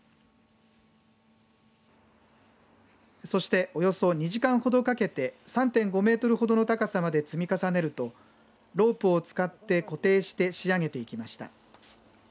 そして、およそ２時間ほどかけて３．５メートルほどの高さまで積み重ねるとロープを使って固定して仕上げていきました。